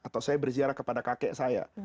atau saya berziarah kepada kakek saya